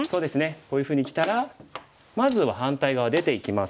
こういうふうにきたらまずは反対側出ていきます。